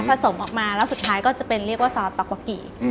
สมออกมาแล้วสุดท้ายก็จะเป็นเรียกว่าซอสตัโกกี